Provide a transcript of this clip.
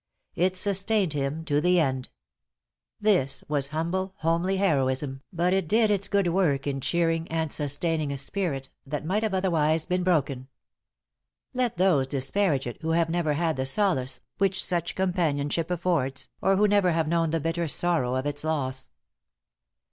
It sustained him to the end. This was humble, homely heroism, but it did its good work in cheering and sustaining a spirit that might otherwise have broken. Let those disparage it who have never had the solace which such companionship affords, or who never have known the bitter sorrow of its loss.